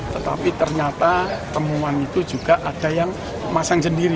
tetapi ternyata temuan itu juga ada yang masang sendiri